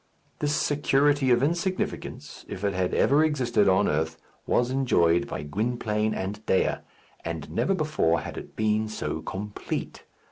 This security of insignificance, if it had ever existed on earth, was enjoyed by Gwynplaine and Dea, and never before had it been so complete.